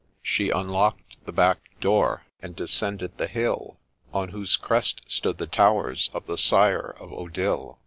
— She unlock 'd the back door and descended the hill, On whose crest stood the towers of the sire of Odille.